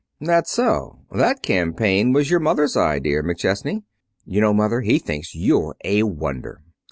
"'That so? That campaign was your mother's idea, McChesney.' You know, Mother, he thinks you're a wonder."